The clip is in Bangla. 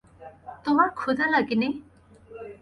তোমার ক্ষুধা লাগেনি?